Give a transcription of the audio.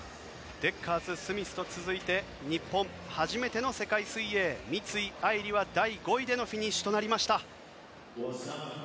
デッカーズ、スミスと続いて日本、初めての世界水泳三井愛梨は第５位でのフィニッシュとなりました。